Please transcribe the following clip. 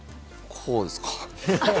こうですか？